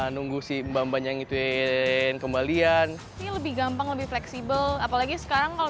nunggu sih mbak mbak yang ituin kembalian lebih gampang lebih fleksibel apalagi sekarang kalau